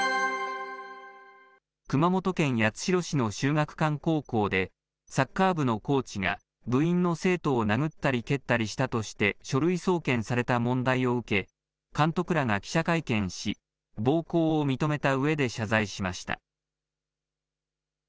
熊本県八代市の秀岳館高校で、サッカー部のコーチが部員の生徒を殴ったり、蹴ったりしたとして、書類送検された問題を受け、監督らが記者会見し、暴行を認めたうえで謝罪しました。